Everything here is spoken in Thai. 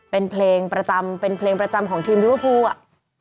เป็นเพลงประจำเป็นเพลงประจำของทีมลิเวอร์พูลอ่ะ